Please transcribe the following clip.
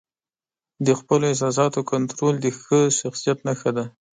د خپلو احساساتو کنټرول د ښه شخصیت نښه ده.